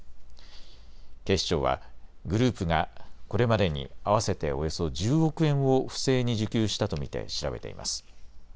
警視庁はグループがこれまでに合わせておよそ１０億円を不正に受給したと見て調べています。